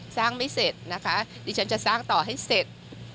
ไม่เสร็จนะคะดิฉันจะสร้างต่อให้เสร็จ